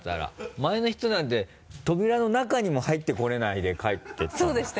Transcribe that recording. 前の人なんて扉の中にも入って来れないで帰っていった。